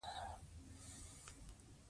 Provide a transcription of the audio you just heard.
هغه د ورورولۍ او دوستۍ خبرې وکړې.